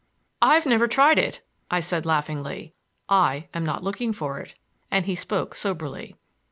"I've never tried it," I said laughingly. "I am not looking for it," and he spoke soberly.